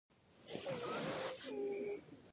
اول بايد د يوه توري نوم وپېژنو.